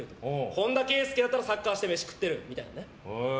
本田圭佑だったらサッカーで飯食ってるみたいなね。